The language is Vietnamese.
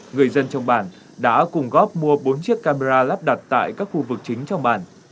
người dân trong bản đã cùng góp mua bốn chiếc camera lắp đặt tại các khu vực chính trong bản